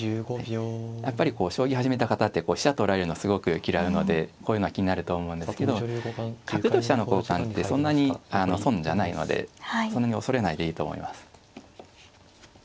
やっぱりこう将棋始めた方って飛車取られるのすごく嫌うのでこういうのは気になると思うんですけど角と飛車の交換ってそんなに損じゃないのでそんなに恐れないでいいと思います。